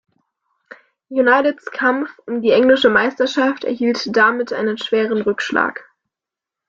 Uniteds Kampf um die englische Meisterschaft erhielt damit einen schweren Rückschlag.